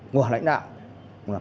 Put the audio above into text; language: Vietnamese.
ngoài lãnh đạo